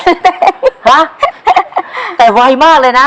ฮะแต่ไวมากเลยนะ